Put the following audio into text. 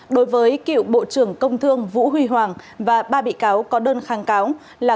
đối với cựu bộ trưởng công thương vũ huy hoàng và ba bị cáo có đơn kháng cáo là